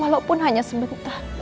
walaupun hanya sebentar